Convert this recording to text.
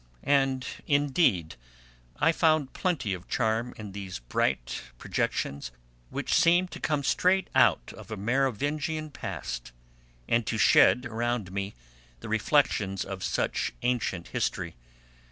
And, indeed, I found plenty of charm in these bright projections, which seemed to have come straight out of a Merovingian past, and to shed around me the reflections of such ancient history.